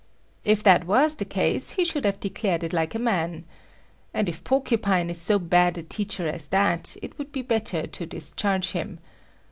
If that was the case, he should have declared it like a man. And if Porcupine is so bad a teacher as that, it would be better to discharge him.